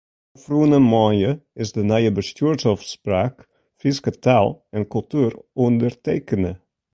Ofrûne moandei is de nije Bestjoersôfspraak Fryske Taal en Kultuer ûndertekene.